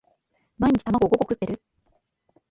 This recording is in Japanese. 毎日卵五個食ってる？